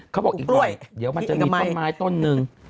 เขาบอกอีกหน่อยเดี๋ยวมันจะมีต้นไม้ต้นหนึ่ง